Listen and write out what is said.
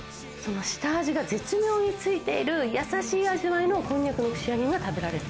下味が絶妙についているやさしい味わいのこんにゃくの串揚げが食べられる。